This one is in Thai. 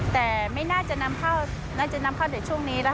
แต่ไม่น่าจะนำเข้าเดี๋ยวช่วงนี้